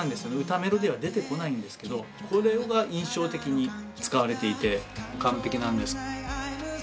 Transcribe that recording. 歌のメロディーには出てこないんですけどこれが印象的に使われていて完璧なんです。